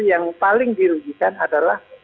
yang paling dirugikan adalah